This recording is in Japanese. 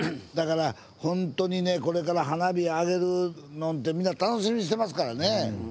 だからほんとにねこれから花火上げるのんてみんな楽しみにしてますからね。